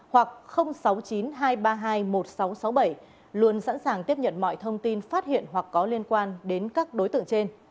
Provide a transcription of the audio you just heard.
hoặc sáu mươi chín hai trăm ba mươi hai một nghìn sáu trăm sáu mươi bảy luôn sẵn sàng tiếp nhận mọi thông tin phát hiện hoặc có liên quan đến các đối tượng trên